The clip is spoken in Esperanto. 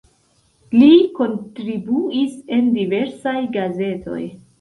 Li kontribuis en diversaj gazetoj.